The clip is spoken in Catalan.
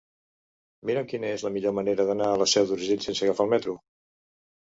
Mira'm quina és la millor manera d'anar a la Seu d'Urgell sense agafar el metro.